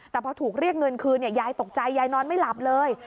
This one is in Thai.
แต่พอถูกเรียกเงินคืนยายตกใจยายนอนไม่หลับเลย